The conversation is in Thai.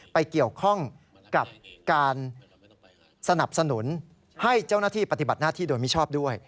ไปเกี่ยวข้องกับการสนับสนุนให้เจ้าหน้าที่ปฏิบัติหน้าที่โดยมิชอบด้วย